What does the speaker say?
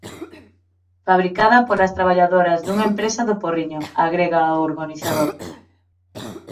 "Fabricada polas traballadoras dunha empresa do Porriño", agrega o organizador.